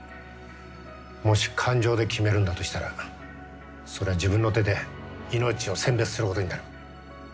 もし感情で決めるんだとしたらそれは自分の手で命を選別することになる。